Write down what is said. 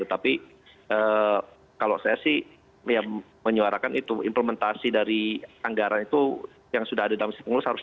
tapi kalau saya sih menyuarakan itu implementasi dari anggaran itu yang sudah ada di jakarta itu harus dilakukan